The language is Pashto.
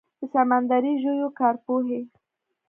د سمندري ژویو کارپوهې